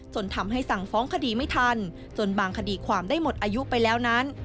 ทำให้สั่งฟ้องคดีไม่ทันจนบางคดีความได้หมดอายุไปแล้วนั้น